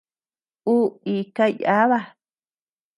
Uu ika yába.